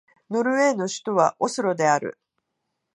ノルウェーの首都はオスロである